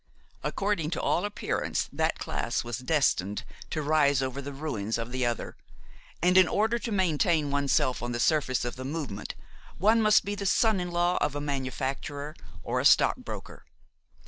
According to all appearance that class was destined to rise over the ruins of the other, and in order to maintain oneself on the surface of the movement one must be the son in law of a manufacturer or a stock broker.